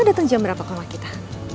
nanti elsa datang jam berapa kalau kita